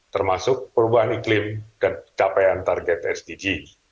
termasuk perubahan iklim dan capaian target sdg